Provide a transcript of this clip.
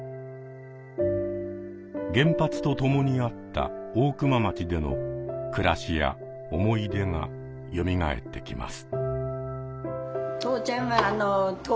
原発とともにあった大熊町での暮らしや思い出がよみがえってきます。